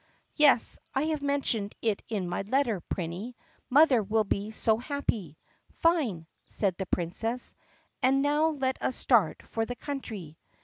" "Yes, I have mentioned it in my letter, Prinny. Mother will be so happy!" "Fine!" said the Princess. "And now let us start for the country."